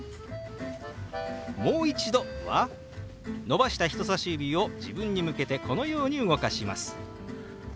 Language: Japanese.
「もう一度」は伸ばした人さし指を自分に向けてこのように動かします。